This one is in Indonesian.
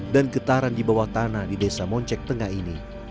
dan getaran di bawah tanah di desa moncek tengah ini